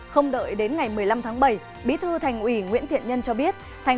không đợi đến ngày một mươi năm tháng bảy bí thư thành ủy nguyễn thiện nhân cho biết